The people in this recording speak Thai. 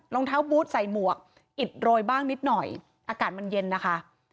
รองเท้าบูธใส่หมวกอิดโรยบ้างนิดหน่อยอากาศมันเย็นนะคะ